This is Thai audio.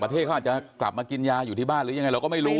เทศเขาอาจจะกลับมากินยาอยู่ที่บ้านหรือยังไงเราก็ไม่รู้